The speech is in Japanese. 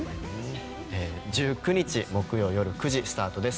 １９日木曜よる９時スタートです。